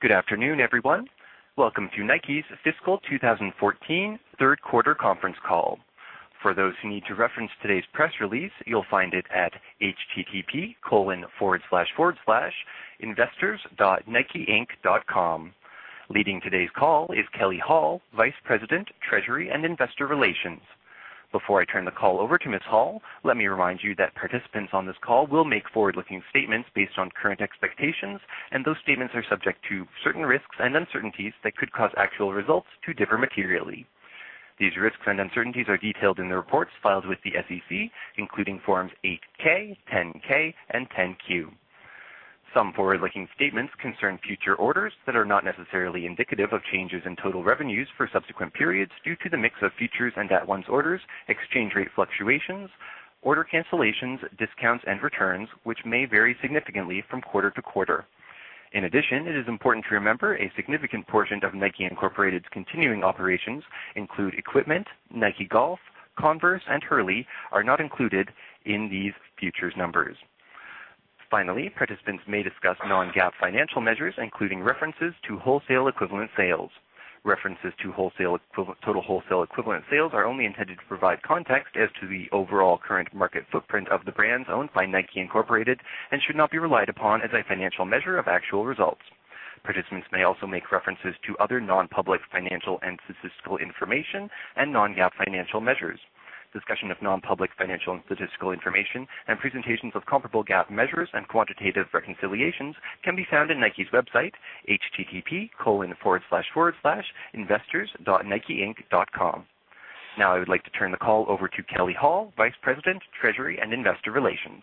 Good afternoon, everyone. Welcome to Nike's fiscal 2014 third quarter conference call. For those who need to reference today's press release, you'll find it at http://investors.nikeinc.com. Leading today's call is Kelley Hall, Vice President, Treasury and Investor Relations. Before I turn the call over to Ms. Hall, let me remind you that participants on this call will make forward-looking statements based on current expectations, and those statements are subject to certain risks and uncertainties that could cause actual results to differ materially. These risks and uncertainties are detailed in the reports filed with the SEC, including Forms 8-K, 10-K, and 10-Q. Some forward-looking statements concern future orders that are not necessarily indicative of changes in total revenues for subsequent periods due to the mix of futures and at-once orders, exchange rate fluctuations, order cancellations, discounts, and returns, which may vary significantly from quarter to quarter. In addition, it is important to remember a significant portion of NIKE, Inc.'s continuing operations include equipment, Nike Golf, Converse, and Hurley are not included in these futures numbers. Finally, participants may discuss non-GAAP financial measures, including references to wholesale equivalent sales. References to total wholesale equivalent sales are only intended to provide context as to the overall current market footprint of the brands owned by NIKE, Inc. and should not be relied upon as a financial measure of actual results. Participants may also make references to other non-public financial and statistical information and non-GAAP financial measures. Discussion of non-public financial and statistical information and presentations of comparable GAAP measures and quantitative reconciliations can be found on Nike's website, http://investors.nikeinc.com. Now I would like to turn the call over to Kelley Hall, Vice President, Treasury and Investor Relations.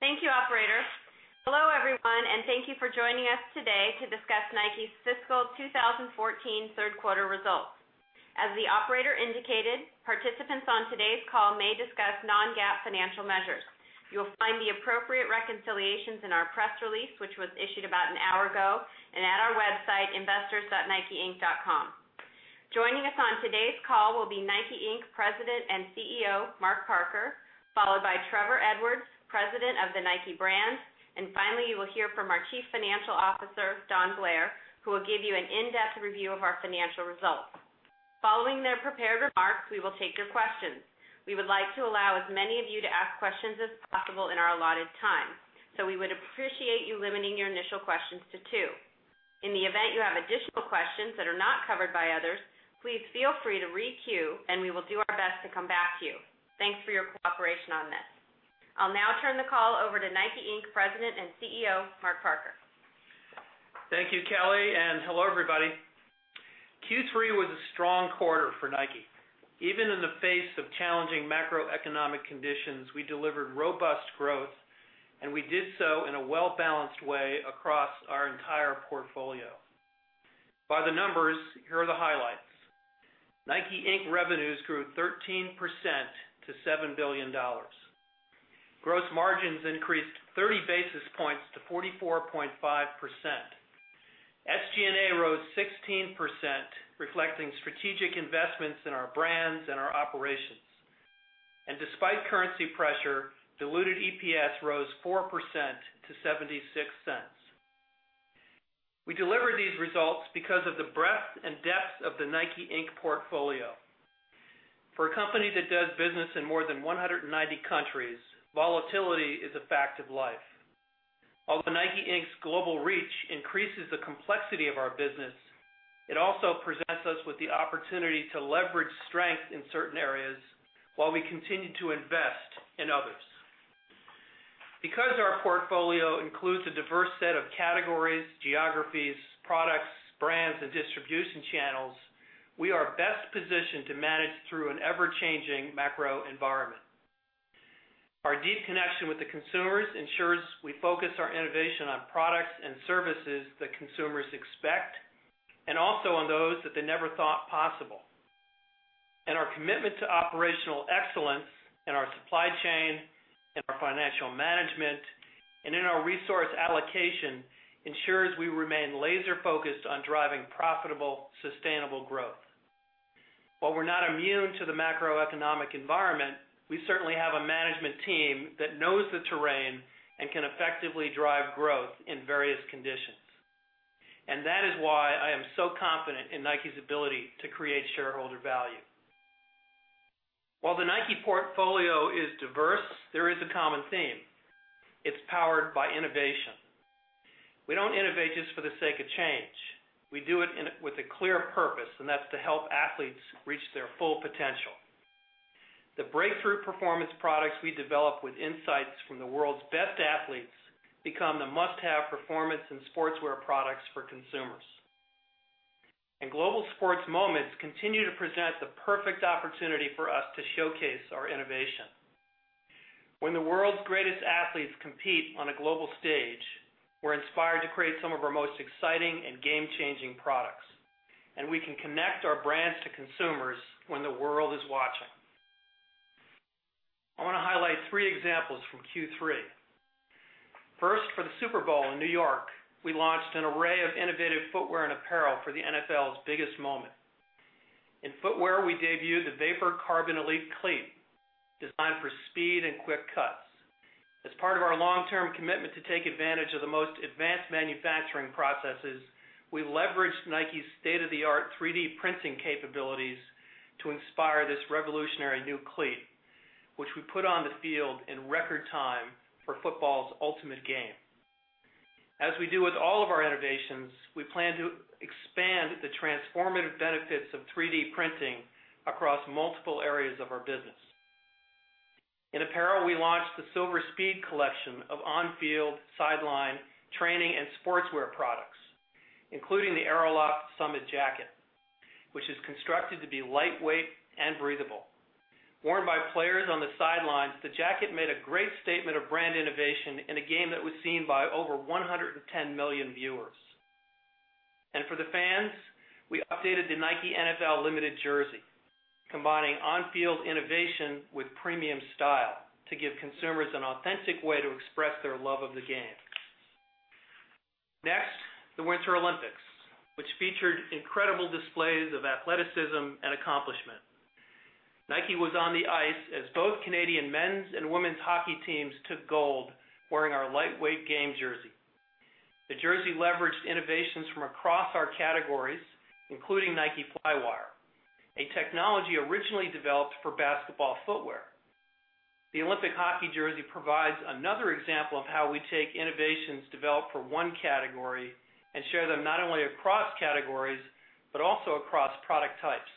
Thank you, Operator. Hello, everyone, and thank you for joining us today to discuss Nike's fiscal 2014 third quarter results. As the Operator indicated, participants on today's call may discuss non-GAAP financial measures. You'll find the appropriate reconciliations in our press release, which was issued about an hour ago, and at our website, investors.nikeinc.com. Joining us on today's call will be NIKE, Inc. President and CEO, Mark Parker, followed by Trevor Edwards, President of the Nike Brand. Finally, you will hear from our Chief Financial Officer, Don Blair, who will give you an in-depth review of our financial results. Following their prepared remarks, we will take your questions. We would like to allow as many of you to ask questions as possible in our allotted time. We would appreciate you limiting your initial questions to two. In the event you have additional questions that are not covered by others, please feel free to re-queue, and we will do our best to come back to you. Thanks for your cooperation on this. I'll now turn the call over to NIKE, Inc. President and CEO, Mark Parker. Thank you, Kelley, and hello, everybody. Q3 was a strong quarter for Nike. Even in the face of challenging macroeconomic conditions, we delivered robust growth, and we did so in a well-balanced way across our entire portfolio. By the numbers, here are the highlights. Nike Inc. revenues grew 13% to $7 billion. Gross margins increased 30 basis points to 44.5%. SG&A rose 16%, reflecting strategic investments in our brands and our operations. Despite currency pressure, diluted EPS rose 4% to $0.76. We delivered these results because of the breadth and depth of the Nike Inc. portfolio. For a company that does business in more than 190 countries, volatility is a fact of life. Although Nike Inc.'s global reach increases the complexity of our business, it also presents us with the opportunity to leverage strength in certain areas while we continue to invest in others. Because our portfolio includes a diverse set of categories, geographies, products, brands, and distribution channels, we are best positioned to manage through an ever-changing macro environment. Our deep connection with the consumers ensures we focus our innovation on products and services that consumers expect and also on those that they never thought possible. Our commitment to operational excellence in our supply chain, in our financial management, and in our resource allocation ensures we remain laser-focused on driving profitable, sustainable growth. While we're not immune to the macroeconomic environment, we certainly have a management team that knows the terrain and can effectively drive growth in various conditions. That is why I am so confident in Nike's ability to create shareholder value. While the Nike portfolio is diverse, there is a common theme. It's powered by innovation. We don't innovate just for the sake of change. We do it with a clear purpose, and that's to help athletes reach their full potential. The breakthrough performance products we develop with insights from the world's best athletes become the must-have performance and sportswear products for consumers. Global sports moments continue to present the perfect opportunity for us to showcase our innovation. When the world's greatest athletes compete on a global stage, we're inspired to create some of our most exciting and game-changing products. We can connect our brands to consumers when the world is watching. I want to highlight three examples from Q3. First, for the Super Bowl in New York, we launched an array of innovative footwear and apparel for the NFL's biggest moment. In footwear, we debuted the Vapor Carbon Elite Cleat, designed for speed and quick cuts. As part of our long-term commitment to take advantage of the most advanced manufacturing processes, we leveraged Nike's state-of-the-art 3D printing capabilities to inspire this revolutionary new cleat, which we put on the field in record time for football's ultimate game. As we do with all of our innovations, we plan to expand the transformative benefits of 3D printing across multiple areas of our business. In apparel, we launched the Silver Speed Collection of on-field, sideline, training, and sportswear products, including the Aeroloft Summit Jacket, which is constructed to be lightweight and breathable. Worn by players on the sidelines, the jacket made a great statement of brand innovation in a game that was seen by over 110 million viewers. For the fans, we updated the Nike NFL Limited jersey, combining on-field innovation with premium style to give consumers an authentic way to express their love of the game. The Winter Olympics, which featured incredible displays of athleticism and accomplishment. Nike was on the ice as both Canadian men's and women's hockey teams took gold wearing our lightweight game jersey. The jersey leveraged innovations from across our categories, including Nike Flywire, a technology originally developed for basketball footwear. The Olympic hockey jersey provides another example of how we take innovations developed for one category and share them not only across categories, but also across product types.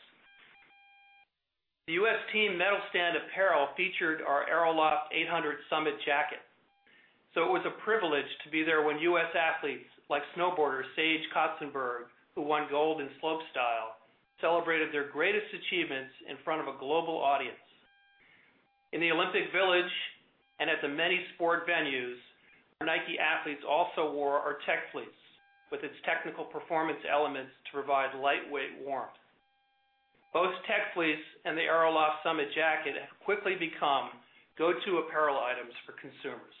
The U.S. team medal stand apparel featured our Aeroloft 800 Summit Jacket. It was a privilege to be there when U.S. athletes, like snowboarder Sage Kotsenburg, who won gold in slopestyle, celebrated their greatest achievements in front of a global audience. In the Olympic Village and at the many sport venues, our Nike athletes also wore our Tech Fleece with its technical performance elements to provide lightweight warmth. Both Tech Fleece and the Aeroloft Summit Jacket have quickly become go-to apparel items for consumers.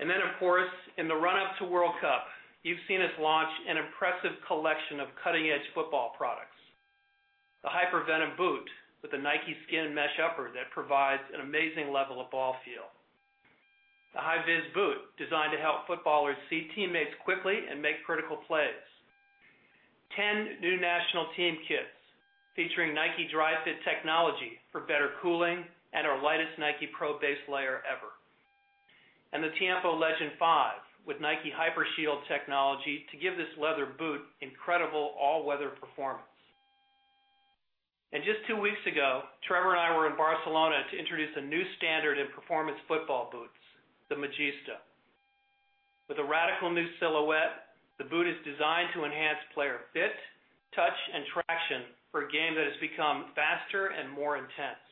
In the run-up to World Cup, you've seen us launch an impressive collection of cutting-edge football products. The Hypervenom boot with the NikeSkin mesh upper that provides an amazing level of ball feel. The Hi-Vis Collection boot, designed to help footballers see teammates quickly and make critical plays. 10 new national team kits featuring Nike Dri-FIT technology for better cooling and our lightest Nike Pro base layer ever. The Tiempo Legend V with Nike HyperShield technology to give this leather boot incredible all-weather performance. Just two weeks ago, Trevor and I were in Barcelona to introduce a new standard in performance football boots, the Magista. With a radical new silhouette, the boot is designed to enhance player fit, touch, and traction for a game that has become faster and more intense.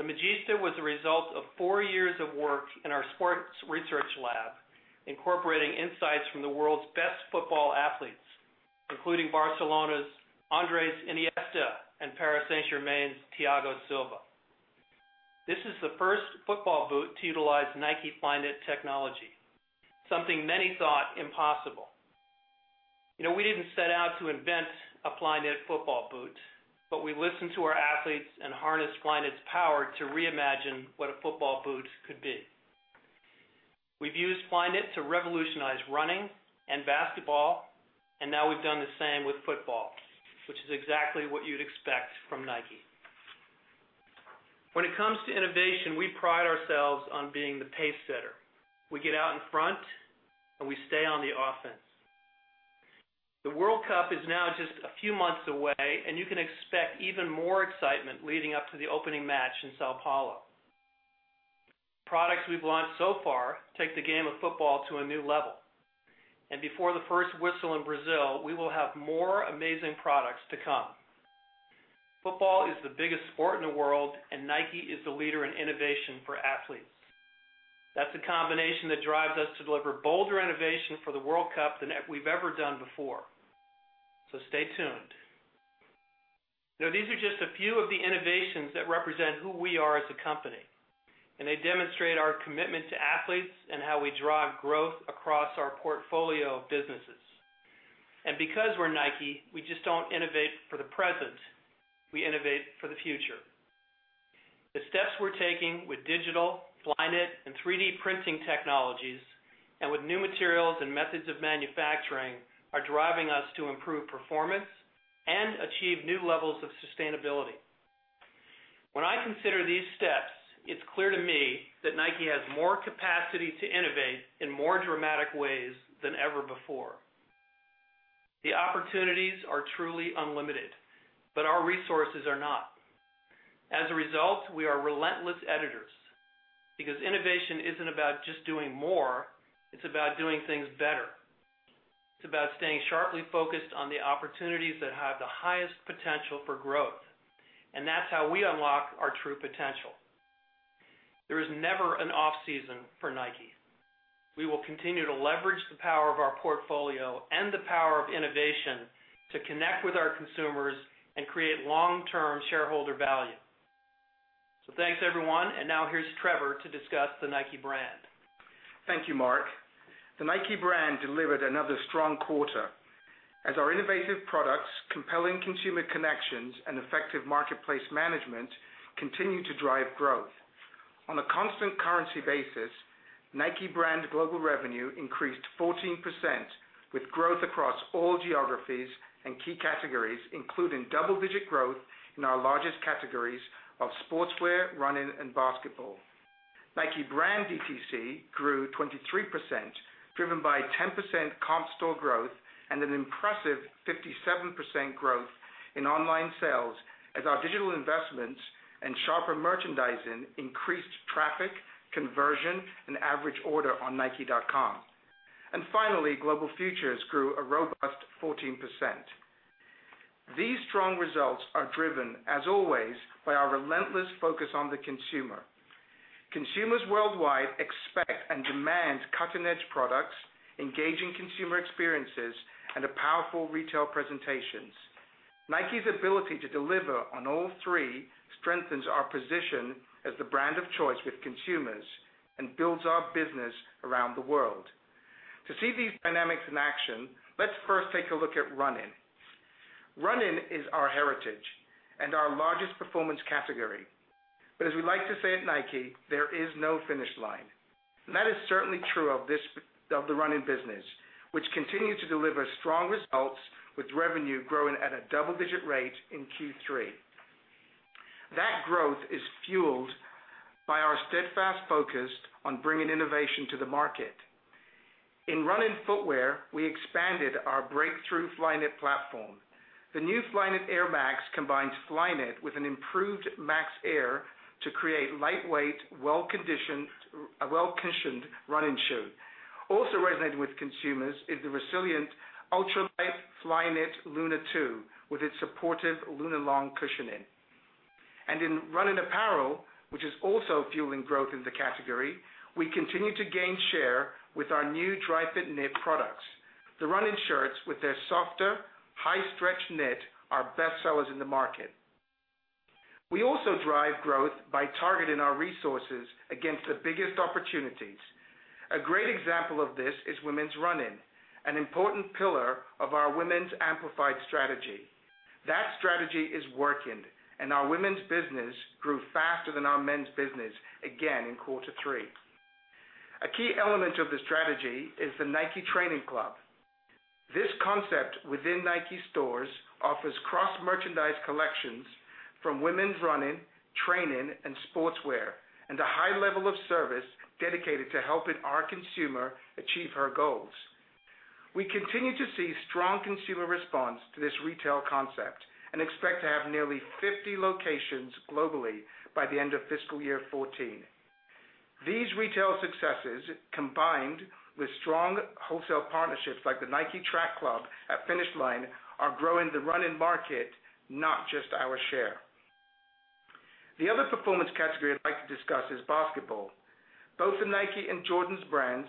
The Magista was the result of four years of work in our sports research lab, incorporating insights from the world's best football athletes, including Barcelona's Andrés Iniesta and Paris Saint-Germain's Thiago Silva. This is the first football boot to utilize Nike Flyknit technology, something many thought impossible. We didn't set out to invent a Flyknit football boot, but we listened to our athletes and harnessed Flyknit's power to reimagine what a football boot could be. We've used Flyknit to revolutionize running and basketball, and now we've done the same with football, which is exactly what you'd expect from Nike. When it comes to innovation, we pride ourselves on being the pace setter. We get out in front, and we stay on the offense. The World Cup is now just a few months away, you can expect even more excitement leading up to the opening match in São Paulo. Products we've launched so far take the game of football to a new level, before the first whistle in Brazil, we will have more amazing products to come. Football is the biggest sport in the world, Nike is the leader in innovation for athletes. That's a combination that drives us to deliver bolder innovation for the World Cup than we've ever done before. Stay tuned. These are just a few of the innovations that represent who we are as a company, and they demonstrate our commitment to athletes and how we drive growth across our portfolio of businesses. Because we're Nike, we just don't innovate for the present. We innovate for the future. The steps we're taking with digital, Flyknit, and 3D printing technologies, and with new materials and methods of manufacturing, are driving us to improve performance and achieve new levels of sustainability. When I consider these steps, it's clear to me that Nike has more capacity to innovate in more dramatic ways than ever before. The opportunities are truly unlimited, but our resources are not. As a result, we are relentless editors, because innovation isn't about just doing more, it's about doing things better. It's about staying sharply focused on the opportunities that have the highest potential for growth. That's how we unlock our true potential. There is never an off-season for Nike. We will continue to leverage the power of our portfolio and the power of innovation to connect with our consumers and create long-term shareholder value. Thanks everyone, and now here's Trevor to discuss the Nike brand. Thank you, Mark. The Nike brand delivered another strong quarter as our innovative products, compelling consumer connections, and effective marketplace management continue to drive growth. On a constant currency basis, Nike brand global revenue increased 14%, with growth across all geographies and key categories, including double-digit growth in our largest categories of sportswear, running, and basketball. Nike brand DTC grew 23%, driven by 10% comp store growth and an impressive 57% growth in online sales as our digital investments and sharper merchandising increased traffic, conversion, and average order on nike.com. Finally, global futures grew a robust 14%. These strong results are driven, as always, by our relentless focus on the consumer. Consumers worldwide expect and demand cutting-edge products, engaging consumer experiences, and powerful retail presentations. Nike's ability to deliver on all three strengthens our position as the brand of choice with consumers and builds our business around the world. To see these dynamics in action, let's first take a look at running. Running is our heritage and our largest performance category. As we like to say at Nike, there is no finish line. That is certainly true of the running business, which continued to deliver strong results with revenue growing at a double-digit rate in Q3. That growth is fueled by our steadfast focus on bringing innovation to the market. In running footwear, we expanded our breakthrough Flyknit platform. The new Flyknit Air Max combines Flyknit with an improved Max Air to create lightweight, well-cushioned running shoe. Also resonating with consumers is the resilient Flyknit Lunar 2, with its supportive Lunarlon cushioning. In running apparel, which is also fueling growth in the category, we continue to gain share with our new Dri-FIT Knit products. The running shirts with their softer, high-stretch knit are best sellers in the market. We also drive growth by targeting our resources against the biggest opportunities. A great example of this is women's running, an important pillar of our women's amplified strategy. That strategy is working, and our women's business grew faster than our men's business, again in quarter three. A key element of the strategy is the Nike Training Club. This concept within Nike stores offers cross-merchandise collections from women's running, training, and sportswear, and a high level of service dedicated to helping our consumer achieve her goals. We continue to see strong consumer response to this retail concept and expect to have nearly 50 locations globally by the end of fiscal year 2014. These retail successes, combined with strong wholesale partnerships like the Nike Track Club at Finish Line, are growing the running market, not just our share. The other performance category I'd like to discuss is basketball. Both the Nike and Jordan Brand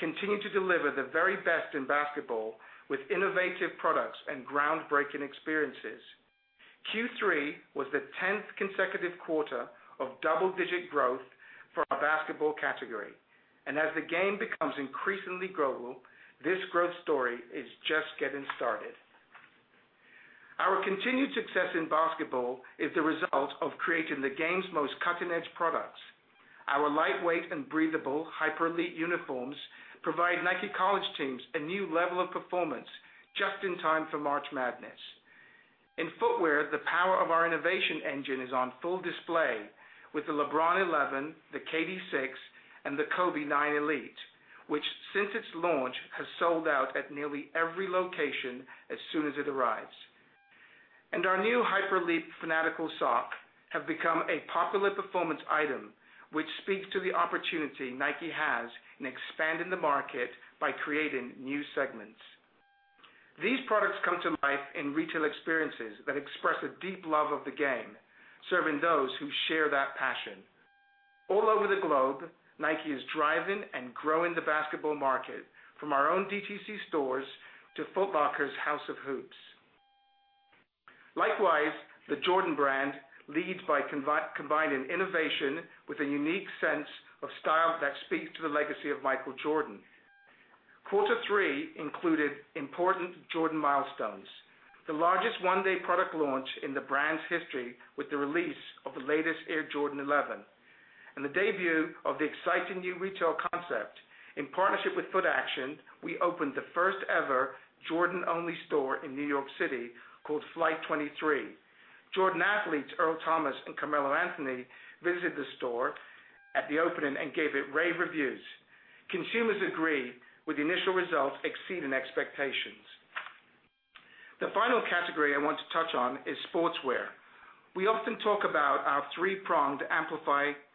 continue to deliver the very best in basketball with innovative products and groundbreaking experiences. Q3 was the 10th consecutive quarter of double-digit growth for our basketball category. As the game becomes increasingly global, this growth story is just getting started. Our continued success in basketball is the result of creating the game's most cutting-edge products. Our lightweight and breathable HyperElite uniforms provide Nike college teams a new level of performance just in time for March Madness. In footwear, the power of our innovation engine is on full display with the LeBron 11, the KD 6, and the Kobe 9 Elite, which since its launch, has sold out at nearly every location as soon as it arrives. Our new HyperElite Fanatical sock have become a popular performance item, which speaks to the opportunity Nike has in expanding the market by creating new segments. These products come to life in retail experiences that express a deep love of the game, serving those who share that passion. All over the globe, Nike is driving and growing the basketball market, from our own DTC stores to Foot Locker's House of Hoops. Likewise, the Jordan Brand leads by combining innovation with a unique sense of style that speaks to the legacy of Michael Jordan. Quarter three included important Jordan milestones, the largest one-day product launch in the brand's history with the release of the latest Air Jordan 11 and the debut of the exciting new retail concept. In partnership with Footaction, we opened the first ever Jordan-only store in New York City called Flight 23. Jordan athletes Earl Thomas and Carmelo Anthony visited the store at the opening and gave it rave reviews. Consumers agree, with the initial results exceeding expectations. The final category I want to touch on is sportswear. We often talk about our three-pronged amplify strategy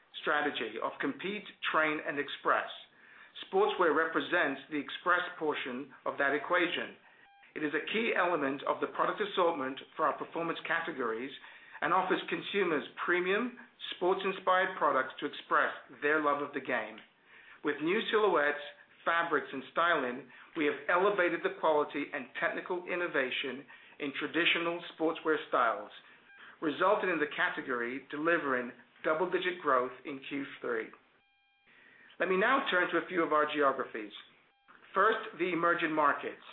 of compete, train, and express. Sportswear represents the express portion of that equation. It is a key element of the product assortment for our performance categories and offers consumers premium, sports-inspired products to express their love of the game. With new silhouettes, fabrics, and styling, we have elevated the quality and technical innovation in traditional sportswear styles, resulting in the category delivering double-digit growth in Q3. Let me now turn to a few of our geographies. First, the emerging markets.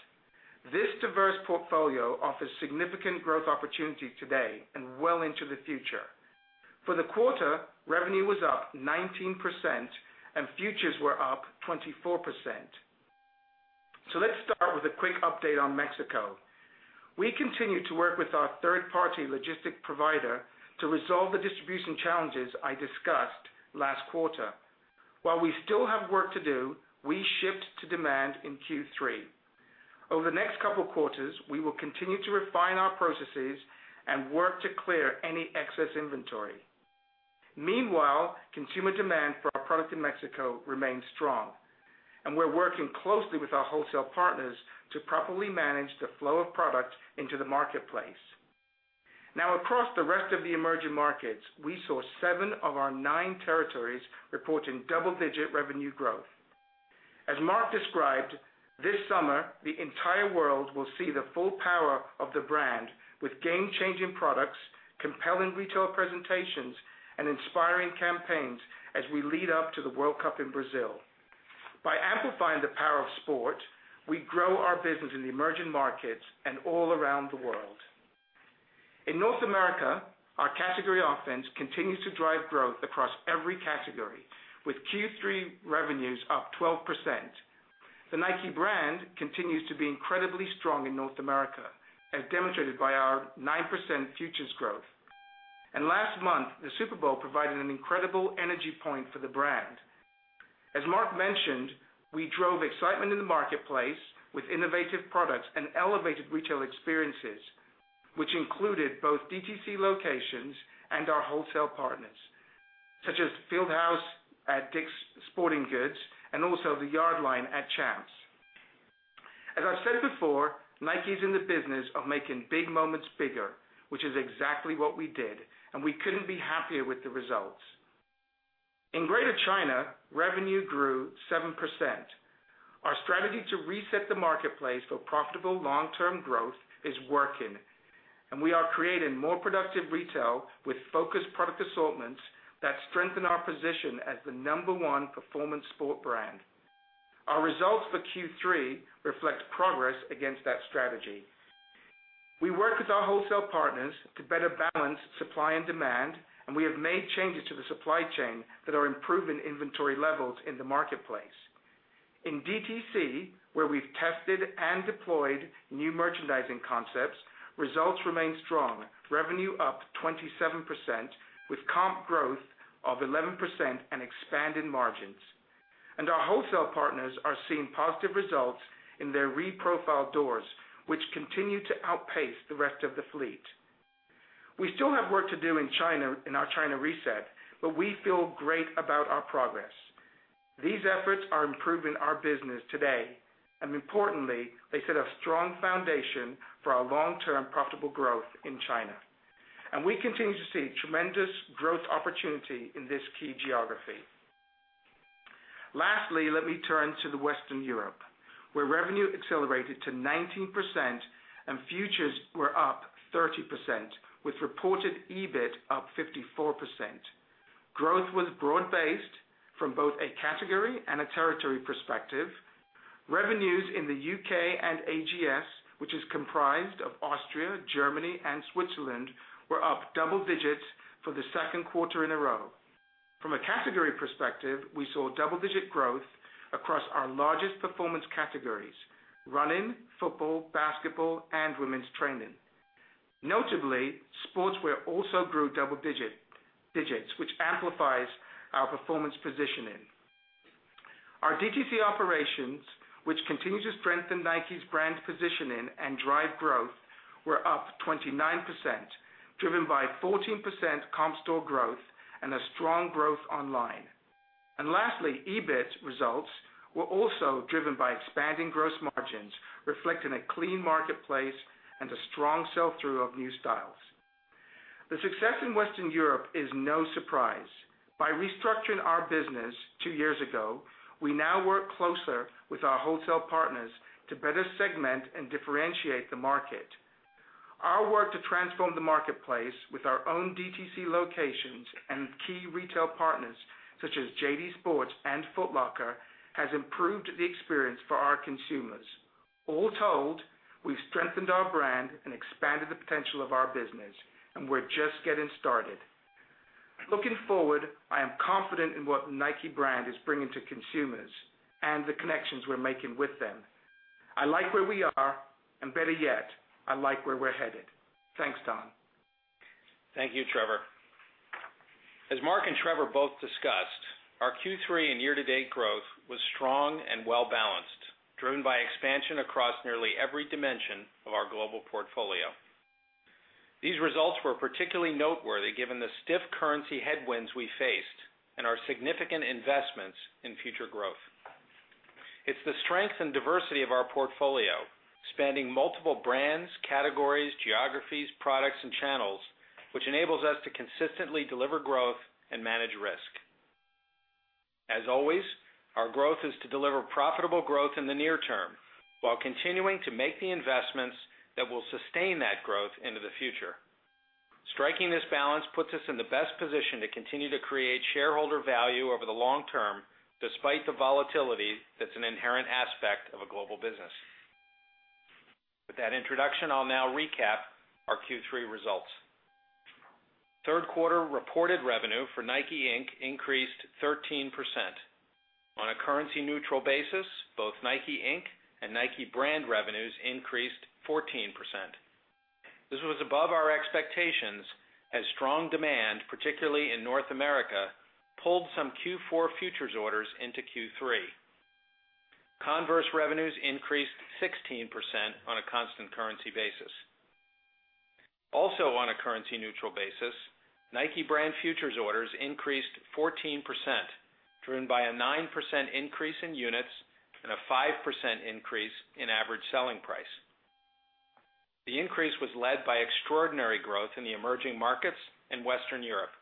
This diverse portfolio offers significant growth opportunity today and well into the future. For the quarter, revenue was up 19% and futures were up 24%. Let's start with a quick update on Mexico. We continue to work with our third-party logistic provider to resolve the distribution challenges I discussed last quarter. While we still have work to do, we shipped to demand in Q3. Over the next couple quarters, we will continue to refine our processes and work to clear any excess inventory. Meanwhile, consumer demand for our product in Mexico remains strong, and we're working closely with our wholesale partners to properly manage the flow of product into the marketplace. Now, across the rest of the emerging markets, we saw seven of our nine territories reporting double-digit revenue growth. As Mark described, this summer, the entire world will see the full power of the brand with game-changing products, compelling retail presentations, and inspiring campaigns as we lead up to the World Cup in Brazil. By amplifying the power of sport, we grow our business in the emerging markets and all around the world. In North America, our category offense continues to drive growth across every category, with Q3 revenues up 12%. The Nike Brand continues to be incredibly strong in North America, as demonstrated by our 9% futures growth. Last month, the Super Bowl provided an incredible energy point for the Brand. As Mark mentioned, we drove excitement in the marketplace with innovative products and elevated retail experiences, which included both DTC locations and our wholesale partners, such as Field House at Dick's Sporting Goods and also the Nike Yardline at Champs. As I've said before, Nike's in the business of making big moments bigger, which is exactly what we did, and we couldn't be happier with the results. In Greater China, revenue grew 7%. Our strategy to reset the marketplace for profitable long-term growth is working. We are creating more productive retail with focused product assortments that strengthen our position as the number one performance sport brand. Our results for Q3 reflect progress against that strategy. We work with our wholesale partners to better balance supply and demand. We have made changes to the supply chain that are improving inventory levels in the marketplace. In DTC, where we've tested and deployed new merchandising concepts, results remain strong. Revenue up 27%, with comp growth of 11% and expanded margins. Our wholesale partners are seeing positive results in their re-profiled doors, which continue to outpace the rest of the fleet. We still have work to do in our China reset, but we feel great about our progress. These efforts are improving our business today. Importantly, they set a strong foundation for our long-term profitable growth in China. We continue to see tremendous growth opportunity in this key geography. Lastly, let me turn to Western Europe, where revenue accelerated to 19% and futures were up 30%, with reported EBIT up 54%. Growth was broad-based from both a category and a territory perspective. Revenues in the U.K. and AGS, which is comprised of Austria, Germany, and Switzerland, were up double digits for the second quarter in a row. From a category perspective, we saw double-digit growth across our largest performance categories: running, football, basketball, and women's training. Notably, sportswear also grew double digits, which amplifies our performance positioning. Our DTC operations, which continue to strengthen Nike's Brand positioning and drive growth, were up 29%, driven by 14% comp store growth and a strong growth online. Lastly, EBIT results were also driven by expanding gross margins, reflecting a clean marketplace and a strong sell-through of new styles. The success in Western Europe is no surprise. By restructuring our business two years ago, we now work closer with our wholesale partners to better segment and differentiate the market. Our work to transform the marketplace with our own DTC locations and key retail partners such as JD Sports and Foot Locker has improved the experience for our consumers. All told, we've strengthened our Brand and expanded the potential of our business. We're just getting started. Looking forward, I am confident in what Nike Brand is bringing to consumers and the connections we're making with them. I like where we are, and better yet, I like where we're headed. Next, Don. Thank you, Trevor. As Mark and Trevor both discussed, our Q3 and year-to-date growth was strong and well-balanced, driven by expansion across nearly every dimension of our global portfolio. These results were particularly noteworthy given the stiff currency headwinds we faced and our significant investments in future growth. It's the strength and diversity of our portfolio, spanning multiple brands, categories, geographies, products, and channels, which enables us to consistently deliver growth and manage risk. As always, our growth is to deliver profitable growth in the near term while continuing to make the investments that will sustain that growth into the future. Striking this balance puts us in the best position to continue to create shareholder value over the long term, despite the volatility that's an inherent aspect of a global business. With that introduction, I'll now recap our Q3 results. Third quarter reported revenue for Nike, Inc. increased 13%. On a currency-neutral basis, both Nike, Inc. and Nike brand revenues increased 14%. This was above our expectations as strong demand, particularly in North America, pulled some Q4 futures orders into Q3. Converse revenues increased 16% on a constant currency basis. Also on a currency-neutral basis, Nike brand futures orders increased 14%, driven by a 9% increase in units and a 5% increase in average selling price. The increase was led by extraordinary growth in the emerging markets in Western Europe,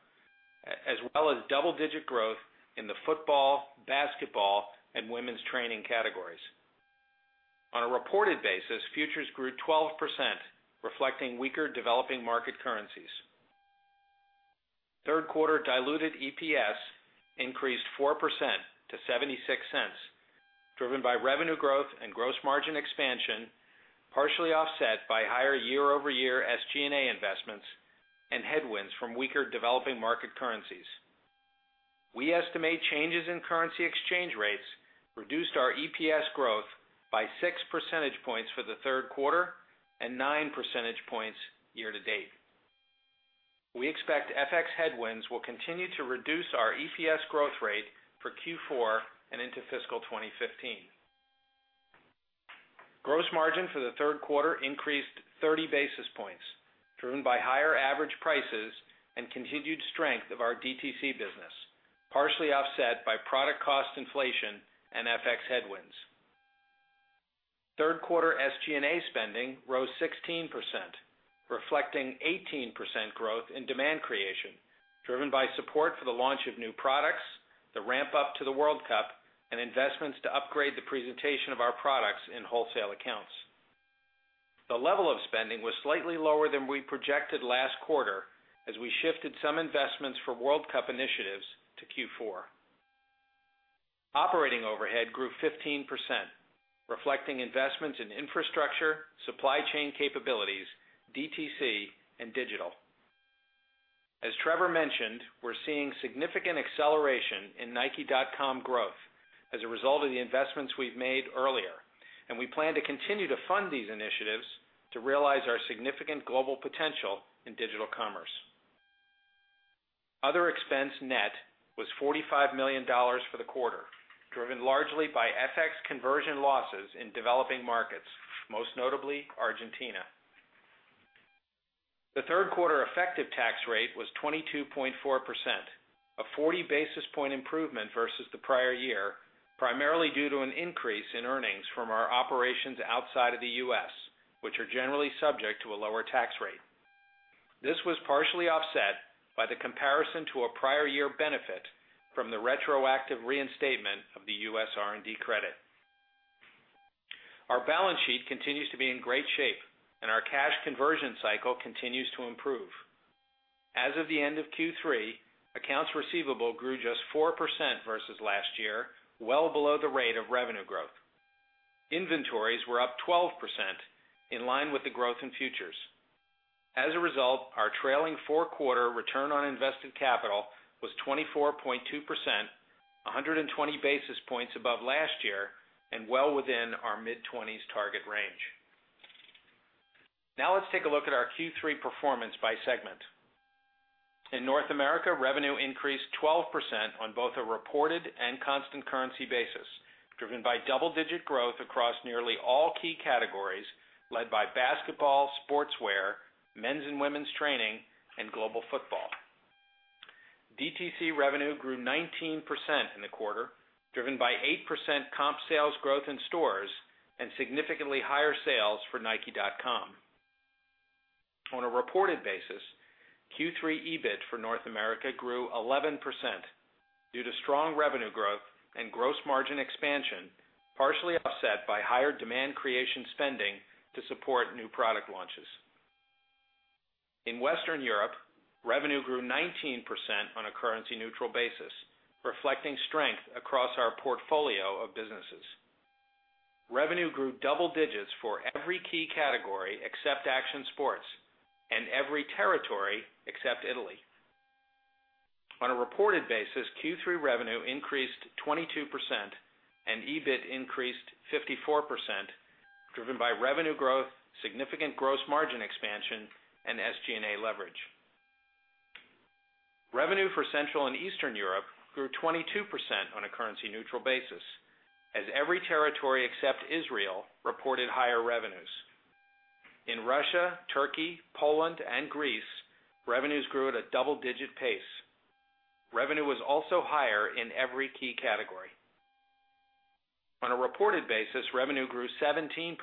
as well as double-digit growth in the football, basketball, and women's training categories. On a reported basis, futures grew 12%, reflecting weaker developing market currencies. Third quarter diluted EPS increased 4% to $0.76, driven by revenue growth and gross margin expansion, partially offset by higher year-over-year SG&A investments and headwinds from weaker developing market currencies. We estimate changes in currency exchange rates reduced our EPS growth by six percentage points for the third quarter and nine percentage points year-to-date. We expect FX headwinds will continue to reduce our EPS growth rate for Q4 and into fiscal 2015. Gross margin for the third quarter increased 30 basis points, driven by higher average prices and continued strength of our DTC business, partially offset by product cost inflation and FX headwinds. Third quarter SG&A spending rose 16%, reflecting 18% growth in demand creation, driven by support for the launch of new products, the ramp-up to the World Cup, and investments to upgrade the presentation of our products in wholesale accounts. The level of spending was slightly lower than we projected last quarter as we shifted some investments for World Cup initiatives to Q4. Operating overhead grew 15%, reflecting investments in infrastructure, supply chain capabilities, DTC, and digital. As Trevor mentioned, we're seeing significant acceleration in nike.com growth as a result of the investments we've made earlier, and we plan to continue to fund these initiatives to realize our significant global potential in digital commerce. Other expense net was $45 million for the quarter, driven largely by FX conversion losses in developing markets, most notably Argentina. The third quarter effective tax rate was 22.4%, a 40 basis point improvement versus the prior year, primarily due to an increase in earnings from our operations outside of the U.S., which are generally subject to a lower tax rate. This was partially offset by the comparison to a prior year benefit from the retroactive reinstatement of the U.S. R&D credit. Our balance sheet continues to be in great shape, and our cash conversion cycle continues to improve. As of the end of Q3, accounts receivable grew just 4% versus last year, well below the rate of revenue growth. Inventories were up 12%, in line with the growth in futures. As a result, our trailing four-quarter return on invested capital was 24.2%, 120 basis points above last year and well within our mid-20s target range. Now let's take a look at our Q3 performance by segment. In North America, revenue increased 12% on both a reported and constant currency basis, driven by double-digit growth across nearly all key categories, led by basketball, sportswear, men's and women's training, and global football. DTC revenue grew 19% in the quarter, driven by 8% comp sales growth in stores and significantly higher sales for nike.com. On a reported basis, Q3 EBIT for North America grew 11% due to strong revenue growth and gross margin expansion, partially offset by higher demand creation spending to support new product launches. In Western Europe, revenue grew 19% on a currency-neutral basis, reflecting strength across our portfolio of businesses. Revenue grew double digits for every key category except action sports and every territory except Italy. On a reported basis, Q3 revenue increased 22% and EBIT increased 54%, driven by revenue growth, significant gross margin expansion, and SG&A leverage. Revenue for Central and Eastern Europe grew 22% on a currency-neutral basis as every territory except Israel reported higher revenues. In Russia, Turkey, Poland and Greece, revenues grew at a double-digit pace. Revenue was also higher in every key category. On a reported basis, revenue grew 17%,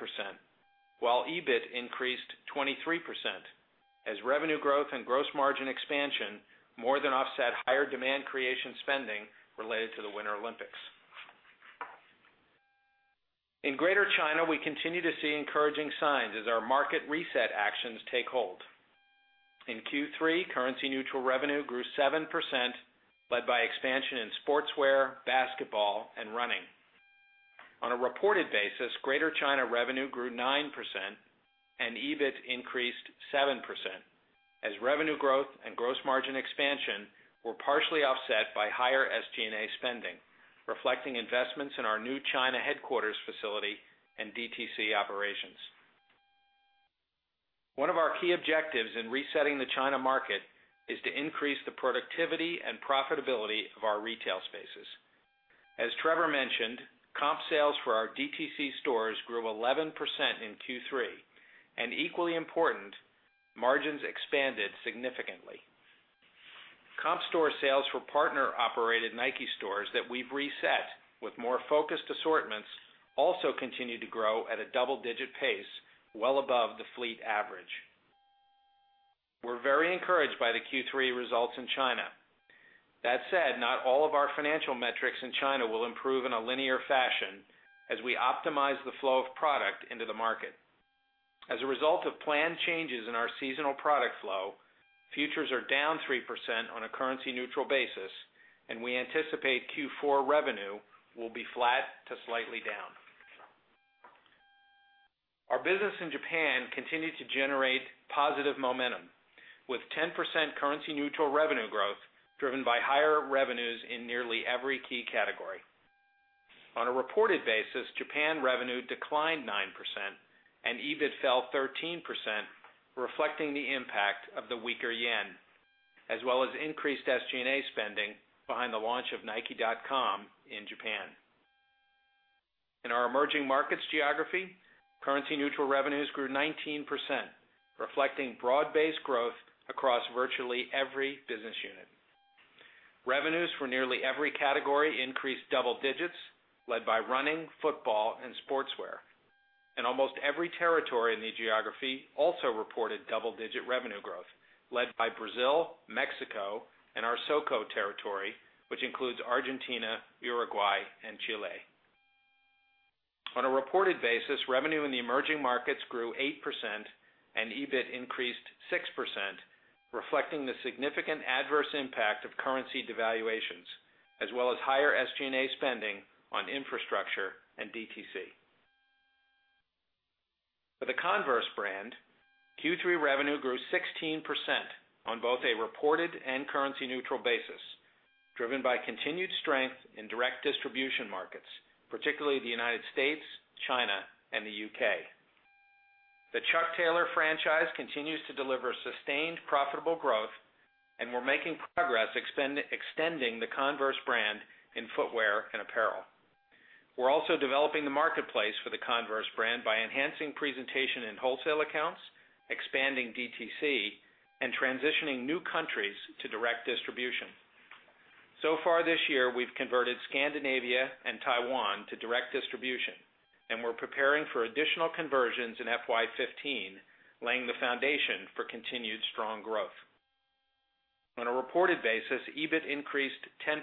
while EBIT increased 23%, as revenue growth and gross margin expansion more than offset higher demand creation spending related to the Winter Olympics. In Greater China, we continue to see encouraging signs as our market reset actions take hold. In Q3, currency neutral revenue grew 7%, led by expansion in sportswear, basketball and running. On a reported basis, Greater China revenue grew 9% and EBIT increased 7%, as revenue growth and gross margin expansion were partially offset by higher SG&A spending, reflecting investments in our new China headquarters facility and DTC operations. One of our key objectives in resetting the China market is to increase the productivity and profitability of our retail spaces. As Trevor mentioned, comp sales for our DTC stores grew 11% in Q3, and equally important, margins expanded significantly. Comp store sales for partner operated Nike stores that we've reset with more focused assortments also continue to grow at a double-digit pace, well above the fleet average. We're very encouraged by the Q3 results in China. That said, not all of our financial metrics in China will improve in a linear fashion as we optimize the flow of product into the market. As a result of planned changes in our seasonal product flow, futures are down 3% on a currency neutral basis, and we anticipate Q4 revenue will be flat to slightly down. Our business in Japan continued to generate positive momentum with 10% currency neutral revenue growth driven by higher revenues in nearly every key category. On a reported basis, Japan revenue declined 9% and EBIT fell 13%, reflecting the impact of the weaker yen, as well as increased SG&A spending behind the launch of nike.com in Japan. In our emerging markets geography, currency neutral revenues grew 19%, reflecting broad-based growth across virtually every business unit. Revenues for nearly every category increased double digits led by running, football and sportswear. Almost every territory in the geography also reported double-digit revenue growth led by Brazil, Mexico and our SOCO territory, which includes Argentina, Uruguay and Chile. On a reported basis, revenue in the emerging markets grew 8% and EBIT increased 6%, reflecting the significant adverse impact of currency devaluations, as well as higher SG&A spending on infrastructure and DTC. For the Converse brand, Q3 revenue grew 16% on both a reported and currency neutral basis, driven by continued strength in direct distribution markets, particularly the U.S., China and the U.K. The Chuck Taylor franchise continues to deliver sustained profitable growth. We're making progress extending the Converse brand in footwear and apparel. We're also developing the marketplace for the Converse brand by enhancing presentation in wholesale accounts, expanding DTC and transitioning new countries to direct distribution. So far this year, we've converted Scandinavia and Taiwan to direct distribution. We're preparing for additional conversions in FY 2015, laying the foundation for continued strong growth. On a reported basis, EBIT increased 10%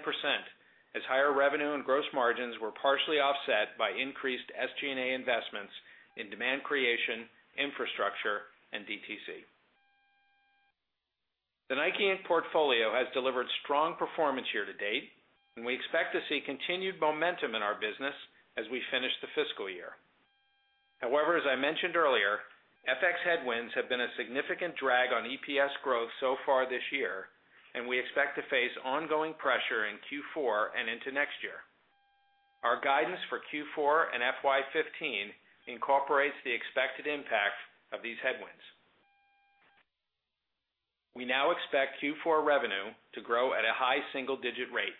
as higher revenue and gross margins were partially offset by increased SG&A investments in demand creation, infrastructure and DTC. The NIKE, Inc. portfolio has delivered strong performance year to date. We expect to see continued momentum in our business as we finish the fiscal year. However, as I mentioned earlier, FX headwinds have been a significant drag on EPS growth so far this year. We expect to face ongoing pressure in Q4 and into next year. Our guidance for Q4 and FY 2015 incorporates the expected impact of these headwinds. We now expect Q4 revenue to grow at a high single digit rate.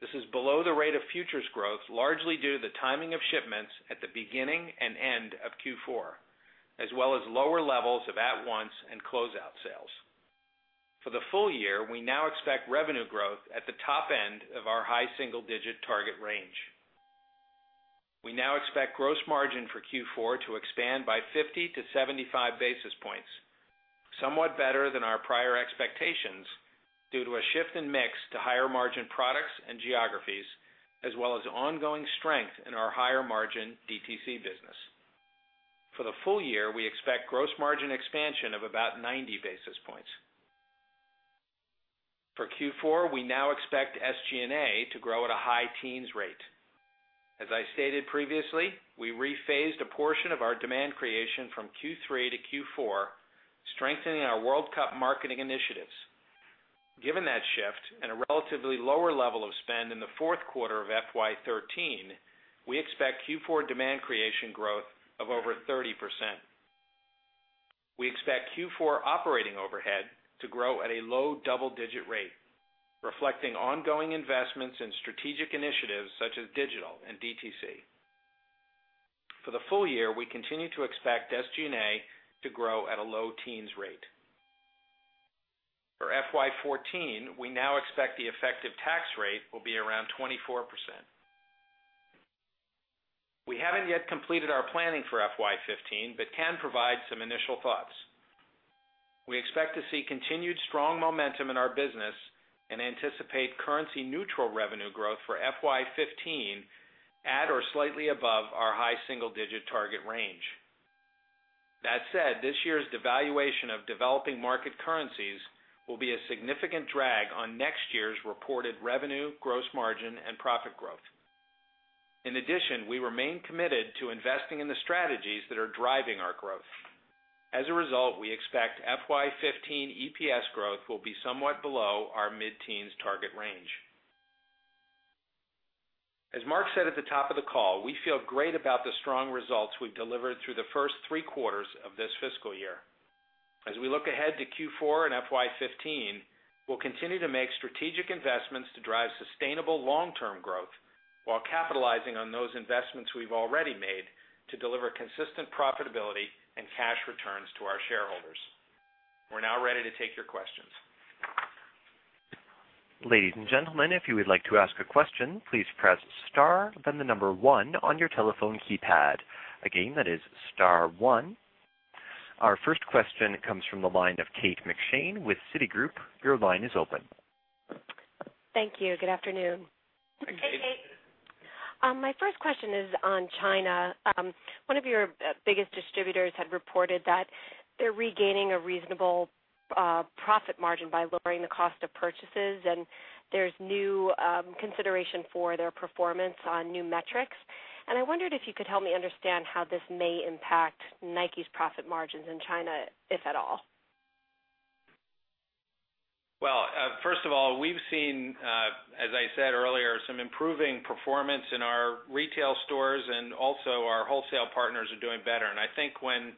This is below the rate of futures growth, largely due to the timing of shipments at the beginning and end of Q4, as well as lower levels of at once and closeout sales. For the full year, we now expect revenue growth at the top end of our high single digit target range. We now expect gross margin for Q4 to expand by 50 to 75 basis points, somewhat better than our prior expectations due to a shift in mix to higher margin products and geographies, as well as ongoing strength in our higher margin DTC business. For the full year, we expect gross margin expansion of about 90 basis points. For Q4, we now expect SG&A to grow at a high teens rate. As I stated previously, we rephased a portion of our demand creation from Q3 to Q4, strengthening our World Cup marketing initiatives. Given that shift and a relatively lower level of spend in the fourth quarter of FY 2013, we expect Q4 demand creation growth of over 30%. We expect Q4 operating overhead to grow at a low double-digit rate, reflecting ongoing investments in strategic initiatives such as digital and DTC. For the full year, we continue to expect SG&A to grow at a low teens rate. For FY 2014, we now expect the effective tax rate will be around 24%. We haven't yet completed our planning for FY 2015. We can provide some initial thoughts. We expect to see continued strong momentum in our business. We anticipate currency-neutral revenue growth for FY 2015 at or slightly above our high single-digit target range. That said, this year's devaluation of developing market currencies will be a significant drag on next year's reported revenue, gross margin, and profit growth. In addition, we remain committed to investing in the strategies that are driving our growth. As a result, we expect FY 2015 EPS growth will be somewhat below our mid-teens target range. As Mark said at the top of the call, we feel great about the strong results we've delivered through the first three quarters of this fiscal year. As we look ahead to Q4 and FY 2015, we'll continue to make strategic investments to drive sustainable long-term growth while capitalizing on those investments we've already made to deliver consistent profitability and cash returns to our shareholders. We're now ready to take your questions. Ladies and gentlemen, if you would like to ask a question, please press star then the number one on your telephone keypad. Again, that is star one. Our first question comes from the line of Kate McShane with Citigroup. Your line is open. Thank you. Good afternoon. Hey, Kate. My first question is on China. One of your biggest distributors had reported that they're regaining a reasonable profit margin by lowering the cost of purchases, there's new consideration for their performance on new metrics. I wondered if you could help me understand how this may impact Nike's profit margins in China, if at all. Well, first of all, we've seen, as I said earlier, some improving performance in our retail stores and also our wholesale partners are doing better. I think when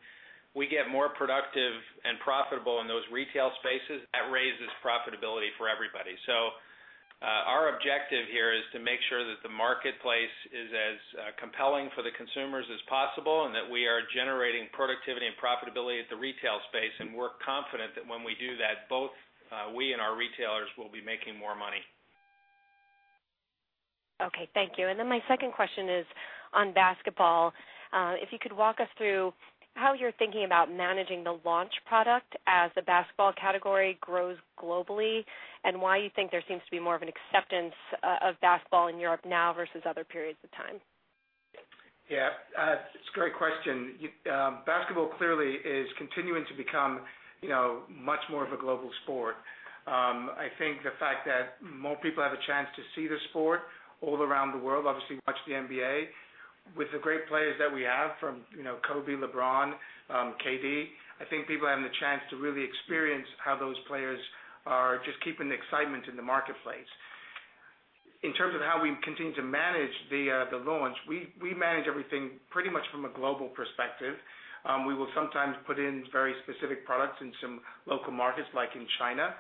we get more productive and profitable in those retail spaces, that raises profitability for everybody. Our objective here is to make sure that the marketplace is as compelling for the consumers as possible, and that we are generating productivity and profitability at the retail space. We're confident that when we do that, both we and our retailers will be making more money. Okay. Thank you. Then my second question is on basketball. If you could walk us through how you're thinking about managing the launch product as the basketball category grows globally, and why you think there seems to be more of an acceptance of basketball in Europe now versus other periods of time. Yeah. It's a great question. Basketball clearly is continuing to become much more of a global sport. I think the fact that more people have a chance to see the sport all around the world, obviously watch the NBA. With the great players that we have from Kobe, LeBron, KD, I think people having the chance to really experience how those players are just keeping the excitement in the marketplace. In terms of how we continue to manage the launch, we manage everything pretty much from a global perspective. We will sometimes put in very specific products in some local markets, like in China,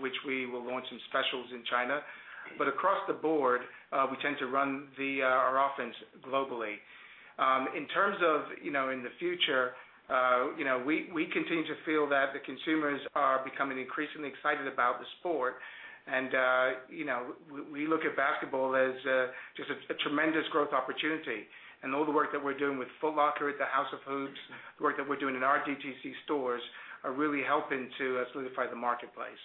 which we will launch some specials in China. Across the board, we tend to run our offense globally. In terms of in the future, we continue to feel that the consumers are becoming increasingly excited about the sport. We look at basketball as just a tremendous growth opportunity. All the work that we're doing with Foot Locker at the House of Hoops, the work that we're doing in our DTC stores are really helping to solidify the marketplace.